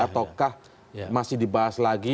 ataukah masih dibahas lagi